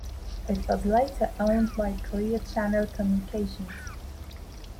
It was later owned by Clear Channel Communications.